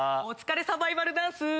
お疲れサバイバルダンス。